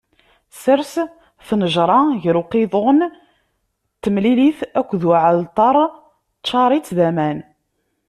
Sers tnejṛa gar uqiḍun n temlilit akked uɛalṭar, ččaṛ-itt d aman.